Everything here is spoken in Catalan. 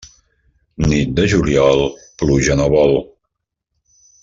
Nit de juliol, pluja no vol.